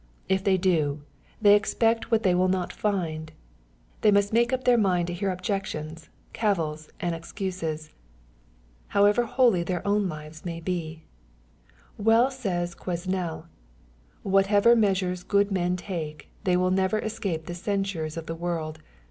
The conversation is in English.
If they do, they expect what they will not find. They must make up their minds to hear objec tions^ cavils, and excuses, however holy their own liveii 114 EXPOSITOR 7 THOUGHTS. may be. Well says Quesnel, " Whatever measures good men take, they will never escape the censures of the world.